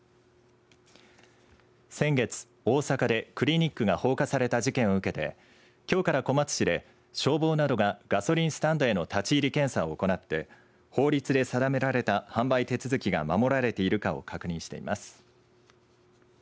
先月、大阪でクリニックが放火された事件を受けてきょうから小松市で消防などがガソリンスタンドへの立ち入り検査を行って法律で定められた販売手続きが守られているかを確認しています。